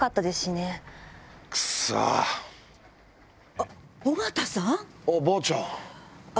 あっ尾形さん。あっばあちゃん。